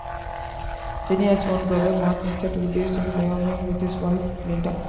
Cheney has one brother, Mark Vincent, who lives in Wyoming with his wife, Linda.